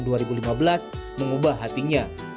dan pada tahun dua ribu lima belas mengubah hatinya